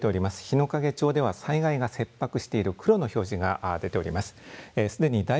日之影町では災害が切迫している黒の表示が出ております。